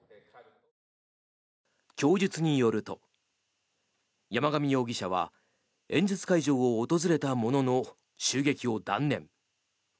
供述によると、山上容疑者は演説会場を訪れたものの襲撃を断念。